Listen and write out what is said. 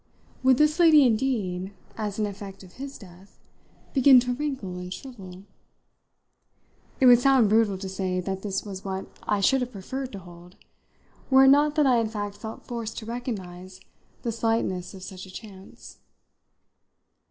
Would this lady indeed, as an effect of his death, begin to wrinkle and shrivel? It would sound brutal to say that this was what I should have preferred to hold, were it not that I in fact felt forced to recognise the slightness of such a chance.